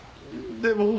でも。